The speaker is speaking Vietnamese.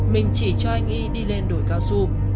mình chỉ cho anh y đi lên đồi cao su